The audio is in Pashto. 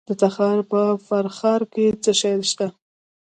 د تخار په فرخار کې څه شی شته؟